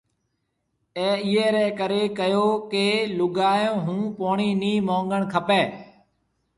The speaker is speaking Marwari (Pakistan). اَي اِيئي رَي ڪريَ ڪهيو ڪيَ لُگائي هون پوڻِي نِي مونگڻ کپيَ۔